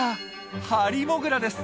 ハリモグラです。